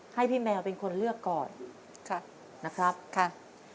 ให้พี่แมวเป็นคนเลือกก่อนค่ะนะครับค่ะ